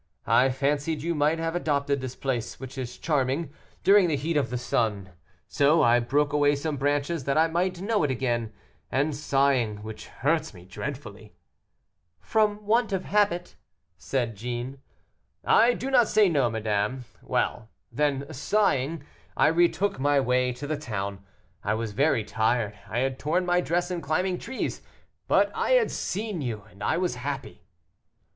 I fancied you might have adopted this place, which is charming, during the heat of the sun, so I broke away some branches that I might know it again, and sighing, which hurts me dreadfully " "From want of habit," said Jeanne. "I do not say no, madame; well, then, sighing, I retook my way to the town. I was very tired, I had torn my dress in climbing trees, but I had seen you, and I was happy."